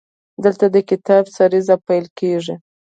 دلته د کتاب سریزه پیل کیږي.